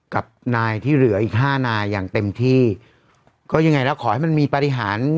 กับนายที่เหลืออีกห้านายอย่างเต็มที่ก็ยังไงแล้วขอให้มันมีปฏิหาร